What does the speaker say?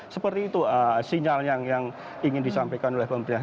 seperti itu sinyal yang ingin disampaikan oleh pemerintah